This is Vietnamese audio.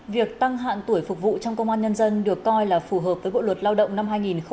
việc tăng hạn tuổi phục vụ trong công an nhân dân được coi là phù hợp với bộ luật lao động năm hai nghìn một mươi ba